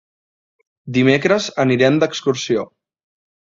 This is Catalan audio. Dimecres anirem d'excursió.